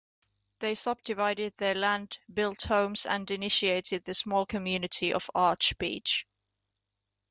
They subdivided their land, built homes and initiated the small community of Arch Beach.